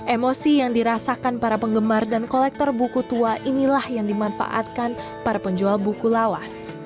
emosi yang dirasakan para penggemar dan kolektor buku tua inilah yang dimanfaatkan para penjual buku lawas